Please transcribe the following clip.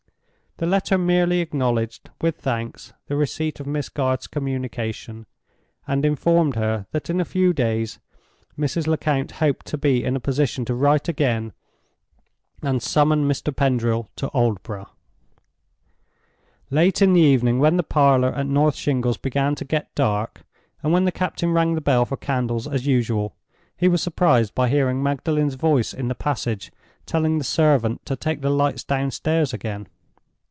The letter merely acknowledged, with thanks, the receipt of Miss Garth's communication, and informed her that in a few days Mrs. Lecount hoped to be in a position to write again and summon Mr. Pendril to Aldborough. Late in the evening, when the parlor at North Shingles began to get dark, and when the captain rang the bell for candles as usual, he was surprised by hearing Magdalen's voice in the passage telling the servant to take the lights downstairs again.